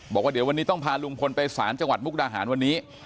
บอกว่าเดี๋ยววันนี้ต้องพาลุงพลไปสารจังหวัดมุกดาหารวันนี้